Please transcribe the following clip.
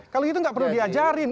kalau gitu nggak perlu diajarin